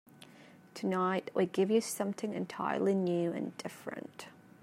Tonight we give you something entirely new and different.